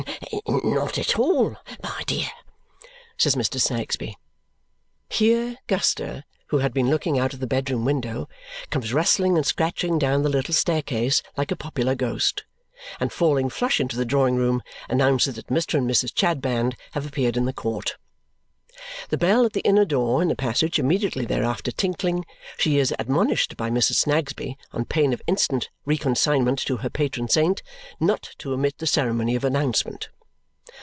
"Not at all, my dear," says Mr. Snagsby. Here, Guster, who had been looking out of the bedroom window, comes rustling and scratching down the little staircase like a popular ghost, and falling flushed into the drawing room, announces that Mr. and Mrs. Chadband have appeared in the court. The bell at the inner door in the passage immediately thereafter tinkling, she is admonished by Mrs. Snagsby, on pain of instant reconsignment to her patron saint, not to omit the ceremony of announcement.